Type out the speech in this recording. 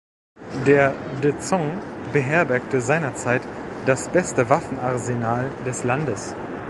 Der Dzong beherbergte seinerzeit das beste Waffenarsenal des Landes.